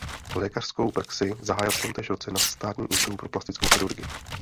Lékařskou praxi zahájil v tomtéž roce na Státním ústavu pro plastickou chirurgii.